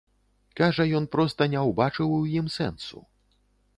Кажа, ён проста не ўбачыў у ім сэнсу.